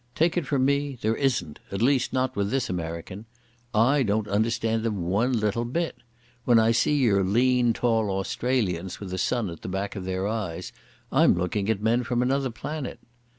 Take it from me, there isn't—at least not with this American. I don't understand them one little bit. When I see your lean, tall Australians with the sun at the back of their eyes, I'm looking at men from another planet.